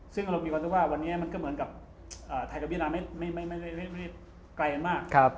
ซึ่งเรามีความรู้สึกว่าวันนี้มันก็เหมือนกับไทยกับเวียดนามไม่ได้ไกลกันมาก